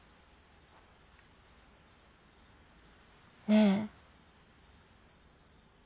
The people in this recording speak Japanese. ねえ。